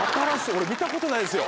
俺見たことないですよ